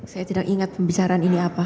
saya tidak ingat pembicaraan ini apa